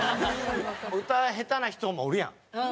歌下手な人もおるやん。